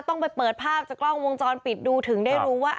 ต้องไปเปิดภาพจากกล้องวงจรปิดดูถึงได้รู้ว่า